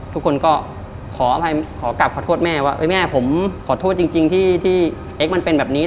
ทุกคนก็ขอกลับขอโทษแม่ว่าแม่ผมขอโทษจริงที่เอ็กซมันเป็นแบบนี้